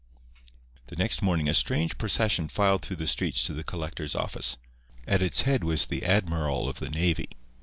The next morning a strange procession filed through the streets to the collector's office. At its head was the admiral of the navy.